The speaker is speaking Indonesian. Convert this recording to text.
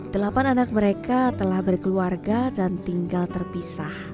delapan anak mereka telah berkeluarga dan tinggal terpisah